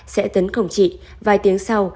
sẽ tấn công chị vài tiếng sau